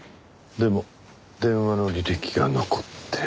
でも電話の履歴が残ってる。